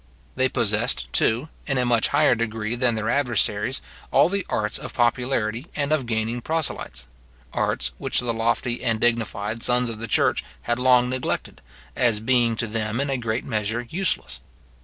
They possessed, too, in a much higher degree than their adversaries, all the arts of popularity and of gaining proselytes; arts which the lofty and dignified sons of the church had long neglected, as being to them in a great measure useless.